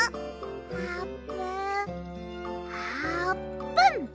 あーぷんあーぷん！